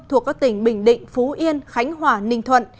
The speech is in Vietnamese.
thuộc các tỉnh bình định phú yên khánh hòa ninh thuận